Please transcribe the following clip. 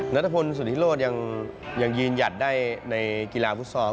เนื้อตะพลสุดที่โลศยังยีนยัดได้ในกีฬาฟุตซอส